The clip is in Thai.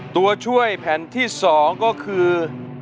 ตัวช่วยแผ่นที่๒ก็คือ